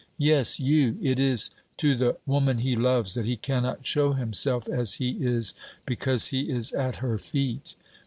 Yes, you! It is to the woman he loves that he cannot show himself as he is, because he is at her feet.